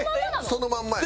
そのまんまや。